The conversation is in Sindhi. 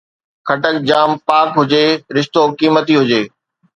خٽڪ جام پاڪ هجي، رشتو قيمتي هجي